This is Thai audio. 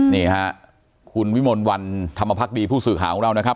นี่ฮะคุณวิมลวันธรรมพักดีผู้สื่อข่าวของเรานะครับ